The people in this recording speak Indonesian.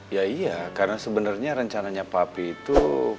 ya iya karena sebenarnya rencananya papi itu